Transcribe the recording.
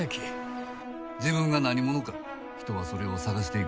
自分が何者か人はそれを探していく。